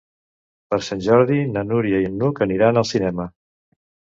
Per Sant Jordi na Núria i n'Hug aniran al cinema.